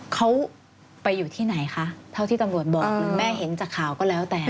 เขาไปอยู่ที่ไหนคะเท่าที่ตำรวจบอกหรือแม่เห็นจากข่าวก็แล้วแต่